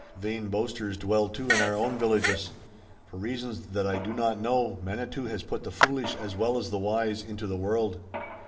"Vain boasters dwell too in our own villages. For reasons that I do not know, Manitou has put the foolish as well as the wise into the world."